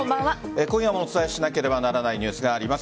今夜もお伝えしなければならないニュースがあります。